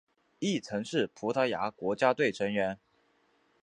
亦曾是葡萄牙国家队成员。